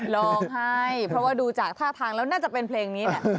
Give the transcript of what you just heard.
ลองให้เพราะว่าดูจากท่าทางแล้วน่าจะเป็นเพลงนี้แหละ